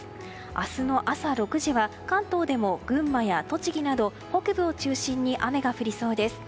明日の朝６時は関東でも群馬や栃木など北部を中心に雨が降りそうです。